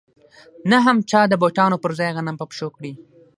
نه هم چا د بوټانو پر ځای غنم په پښو کړي